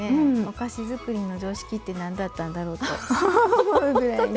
お菓子づくりの常識って何だったんだろうと思うぐらいに。